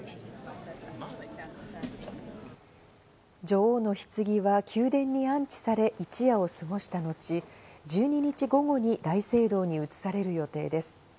女王のひつぎは宮殿に安置され、一夜を過ごした後、１２日午後に大聖堂に移される予定です。